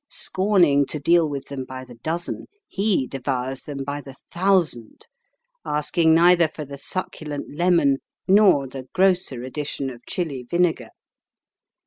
Scorning to deal with them by the dozen, he devours them by the thousand, asking neither for the succulent lemon nor the grosser addition of Chili vinegar.